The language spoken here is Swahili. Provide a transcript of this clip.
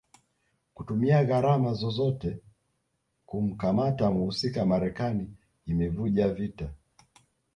kutumia gharama zozote kumkamata mhusika Marekani imevijua vita